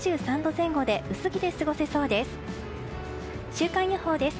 週間予報です。